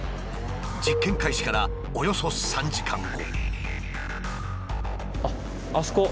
実験開始からおよそ３時間後。